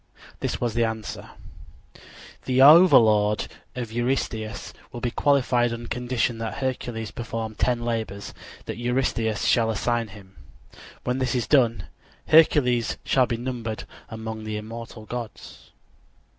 This was the answer: _The overlordship of Eurystheus will be qualified on condition that Hercules perform ten labors that Eurystheus shall assign him. When this is done, Hercules shall be numbered among the immortal gods.